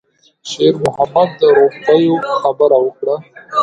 شېرمحمد د روپیو خبره وکړه.